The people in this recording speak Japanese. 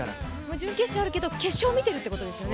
準決勝あるけど、決勝を見ているということですね。